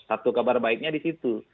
satu kabar baiknya di situ